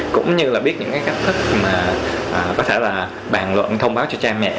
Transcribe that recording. cũng như là biết những cái cách thức mà có thể là bàn luận thông báo cho cha mẹ